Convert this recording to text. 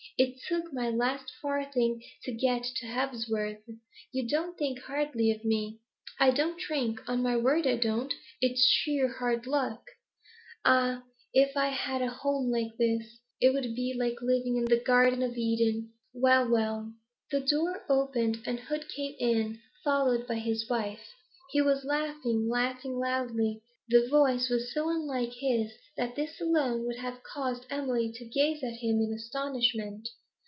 It took my last farthing to get here from Hebsworth. You don't think hardly of me? I don't drink, on my word I don't; it's sheer hard luck. Ah, if I had a home like this! It 'ud be like living in the garden of Eden. Well, well!' The door opened, and Hood came in, followed by his wife. He was laughing, laughing loudly; the voice was so unlike his that this alone would have caused Emily to gaze at him in astonishment.